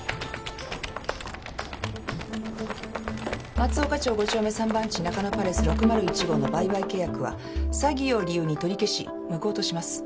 「松丘町五丁目３番地中野パレス６０１号の売買契約は詐欺を理由に取り消し無効とします。